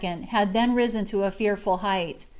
had then risen to a fearful height.